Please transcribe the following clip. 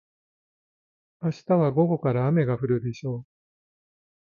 明日は午後から雨が降るでしょう。